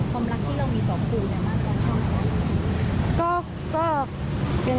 ความรักที่เรามีต่อครูเนี่ยมากจากครูเจี๊ยบ